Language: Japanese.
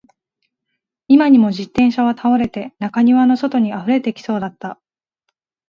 今にも自転車は倒れて、中庭の外に溢れてきそうだった